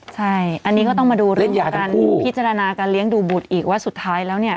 ใช่อันนี้ก็ต้องมาดูเรื่องของการพิจารณาการเลี้ยงดูบุตรอีกว่าสุดท้ายแล้วเนี่ย